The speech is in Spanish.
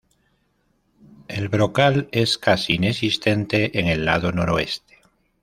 El brocal es casi inexistente en el lado noroeste.